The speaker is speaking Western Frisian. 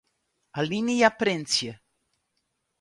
Alinea printsje.